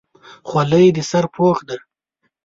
خولۍ د سر پوښ دی.